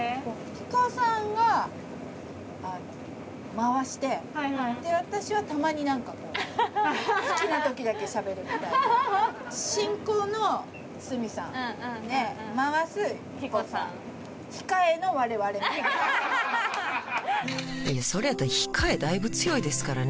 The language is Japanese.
ヒコさんが回して私はたまに何かこう好きな時だけしゃべるみたいなみたいないやそれやったら控えだいぶ強いですからね